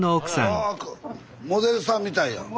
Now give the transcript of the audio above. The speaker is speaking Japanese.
ああモデルさんみたいやん。